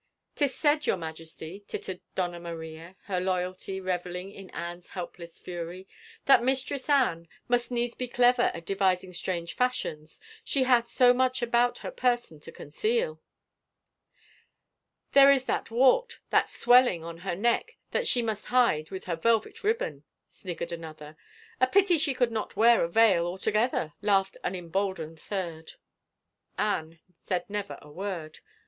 Tis said, your Majesty," tittered Donna Maria, her loyalty reveling in Anne's helpless fury, "that Mistress Anne must needs be clever at devising strange fashions — she hath so much about her person to conceal !"" There is that wart, that swelling, on her neck that she must hide with her velvet ribbon," sniggered another. " A pity she could not wear a veil altogether," laughed an emboldened third. Anne said never a word.